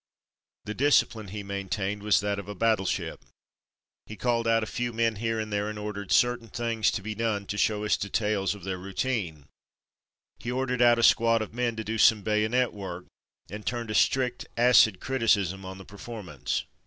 The discipline he maintained was that of a battleship. He called out a few men here and there and 270 From Mud to Mufti ordered certain things to be done to show us details of their routine. He ordered out a squad of men to do some bayonet work and turned a strict, acid criticism on the performance.